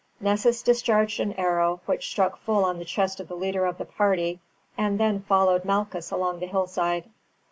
Nessus discharged an arrow, which struck full on the chest of the leader of the party, and then followed Malchus along the hillside.